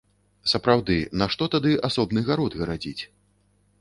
Сапраўды, нашто тады асобны гарод гарадзіць?